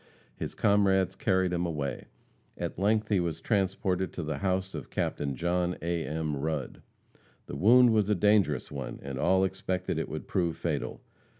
His comrades carried him away. At length he was transported to the house of Captain John A. M. Rudd. The wound was a dangerous one, and all expected it would prove fatal.